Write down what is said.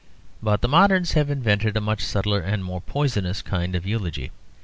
But the moderns have invented a much subtler and more poisonous kind of eulogy.